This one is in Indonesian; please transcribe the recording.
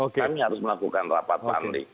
kami harus melakukan rapat pandi